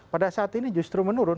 pada saat ini justru menurun